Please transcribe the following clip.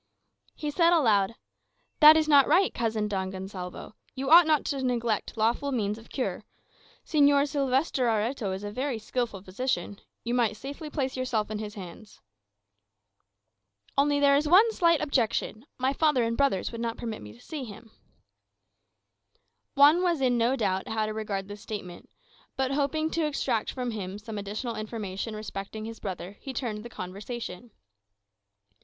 He said aloud, "That is not right, cousin Don Gonsalvo. You ought not to neglect lawful means of cure. Señor Sylvester Areto is a very skilful physician; you might safely place yourself in his hands." "Only there is one slight objection my father and my brothers would not permit me to see him." Juan was in no doubt how to regard this statement; but hoping to extract from him some additional information respecting his brother, he turned the conversation.